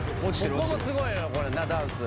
ここもすごいなダンス。